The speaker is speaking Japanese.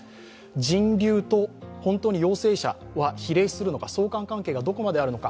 人流と本当に陽性者は比例するのか相関関係がどこまであるのか